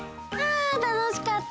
あたのしかった！